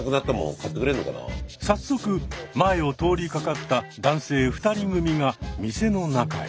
早速前を通りかかった男性２人組が店の中へ。